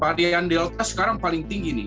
varian delta sekarang paling tinggi nih